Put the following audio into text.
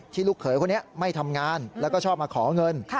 ลูกเขยคนนี้ไม่ทำงานแล้วก็ชอบมาขอเงิน